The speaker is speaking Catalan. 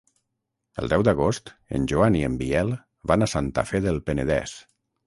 El deu d'agost en Joan i en Biel van a Santa Fe del Penedès.